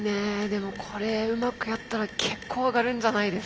でもこれうまくやったら結構上がるんじゃないですか？